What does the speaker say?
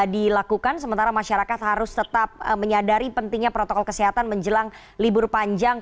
dilakukan sementara masyarakat harus tetap menyadari pentingnya protokol kesehatan menjelang libur panjang